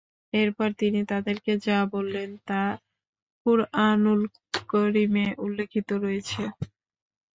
এরপর তিনি তাদেরকে যা বললেন, তা কুরআনুল করীমে উল্লেখিত হয়েছে।